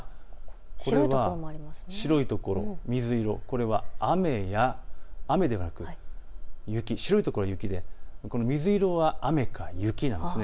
これは白い所、水色、これは雨ではなく雪、白い所が雪で水色は雨か雪なんです。